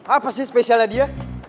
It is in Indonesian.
apa sih spesialnya dia